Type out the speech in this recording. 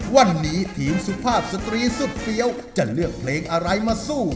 วันนี้ทีมสุภาพสตรีสุดเฟี้ยวจะเลือกเพลงอะไรมาสู้